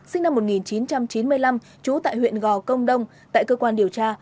sinh năm một nghìn chín trăm chín mươi năm trú tại huyện gò công đông tại cơ quan điều tra